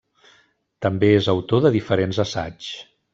També és autor de diferents assaigs.